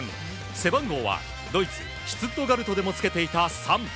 背番号はドイツ、シュツットガルトでもつけていた３。